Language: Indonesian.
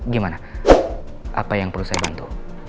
gimana apa yang perlu saya bantu